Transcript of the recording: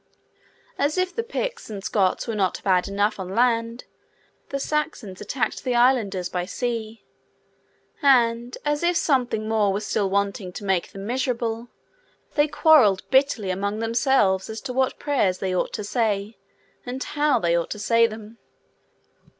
As if the Picts and Scots were not bad enough on land, the Saxons attacked the islanders by sea; and, as if something more were still wanting to make them miserable, they quarrelled bitterly among themselves as to what prayers they ought to say, and how they ought to say them.